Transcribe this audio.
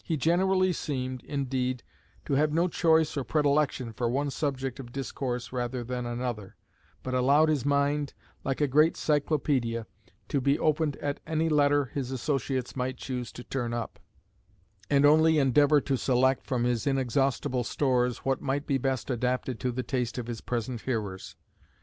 He generally seemed, indeed, to have no choice or predilection for one subject of discourse rather than another; but allowed his mind, like a great cyclopædia, to be opened at any letter his associates might choose to turn up, and only endeavour to select, from his inexhaustible stores, what might be best adapted to the taste of his present hearers.